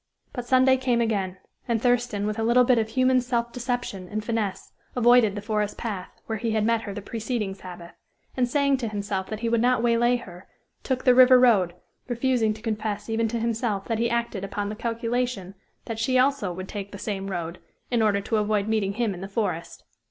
But Sunday came again and Thurston, with a little bit of human self deception and finesse, avoided the forest path, where he had met her the preceding Sabbath, and saying to himself that he would not waylay her, took the river road, refusing to confess even to himself that he acted upon the calculation that she also would take the same road, in order to avoid meeting him in the forest.